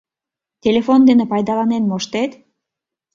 Телефон дене пайдаланен моштет?